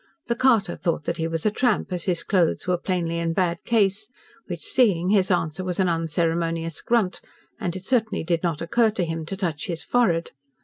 The carter thought that he was a tramp, as his clothes were plainly in bad case, which seeing, his answer was an unceremonious grunt, and it certainly did not occur to him to touch his forehead.